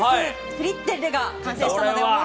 フリッテッレが完成しました。